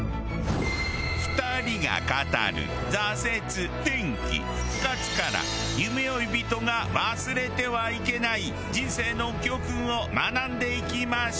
２人が語る挫折転機復活から夢追い人が忘れてはいけない人生の教訓を学んでいきましょ。